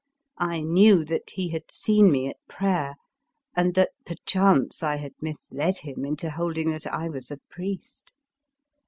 I knew that he had seen me at prayer, and that, perchance, I had misled him into holding that I was a priest.